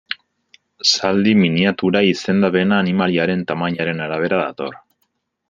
Zaldi miniatura izendapena animaliaren tamainaren arabera dator.